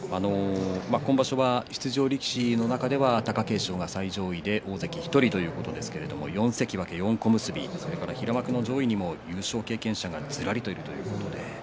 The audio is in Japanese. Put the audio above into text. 今場所は出場力士の中では貴景勝が最上位で大関１人ということですが４関脇４小結と平幕の上位には優勝経験者がずらりといます。